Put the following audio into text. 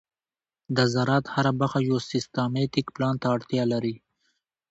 د زراعت هره برخه یو سیستماتيک پلان ته اړتیا لري.